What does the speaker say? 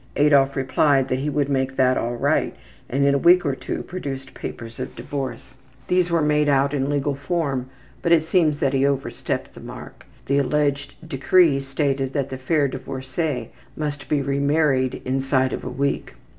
Adolf replied that he would make that all right and in a week or two produced papers of divorce. These were made out in legal form, but it seems that he over stepped the mark. The alleged decree stated that the fair divorcee must be remarried inside of a week.